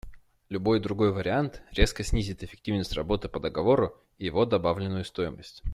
Любой другой вариант резко снизит эффективность работы по договору и его добавленную стоимость.